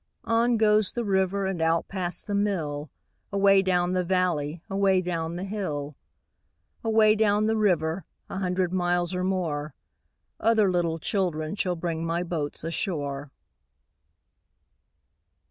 On goes the river And out past the mill, Away down the valley, Away down the hill. Away down the river, A hundred miles or more, Other little children Shall bring my boats ashore.